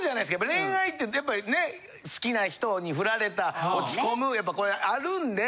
恋愛ってやっぱりね好きな人にフラれた落ち込むやっぱこれあるんで。